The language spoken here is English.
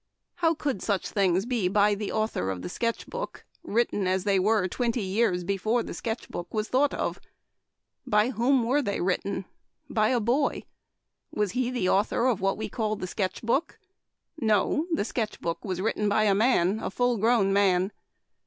How could such things be * by the Au thor of the Sketch Book/ written, as they were, twenty years before the Sketch Book was thought of ? By whom were they written ? By a boy. Was he the author of what we call ■ The Sketch Book ?' No. The Sketch Book was written by a man, a full grown man.